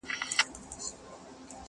د باندي الوزي د ژمي ساړه توند بادونه!.